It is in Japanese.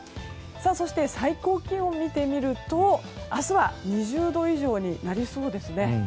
そして、最高気温を見てみると明日は２０度以上になりそうですね。